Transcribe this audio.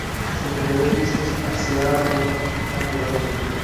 Sirdaryoda “Biznes akselerator” markazi ochildi